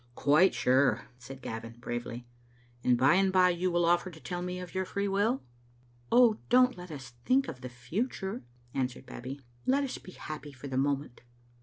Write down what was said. "Quite sure," said Gavin, bravely. "And by and by you will offer to tell me of your free will?" "Oh, don't let us think of the future," answered Babbie. " Let us be happy for the moment."